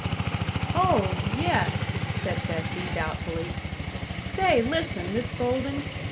"Oh yes," said Bessie, doubtfully. "Say, listen, Miss Golden.